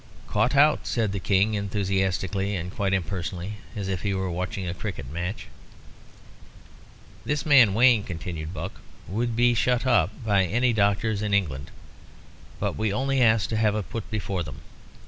"Caught out!" said the King, enthusiastically and quite impersonally, as if he were watching a cricket match. "This man Wayne," continued Buck, "would be shut up by any doctors in England. But we only ask to have it put before them.